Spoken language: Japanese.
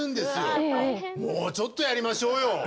もうちょっとやりましょうよ！